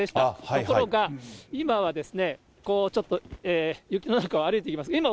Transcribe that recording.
ところが、今はですね、ちょっと雪の中を歩いています。